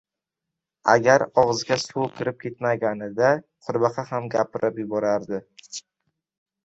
• Agar og‘ziga suv kirib ketmaganida qurbaqa ham gapirib yuborardi.